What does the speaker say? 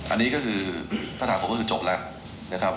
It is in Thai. อันนี้ก็คือถ้าถามผมก็คือจบแล้วนะครับ